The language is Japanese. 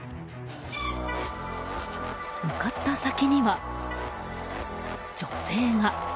向かった先には、女性が。